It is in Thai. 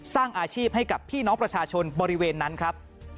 สร้างอาชีพให้กับพี่น้องประชาชนบริเวณนั้นครับ